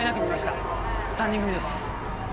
３人組です。